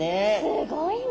すごいね。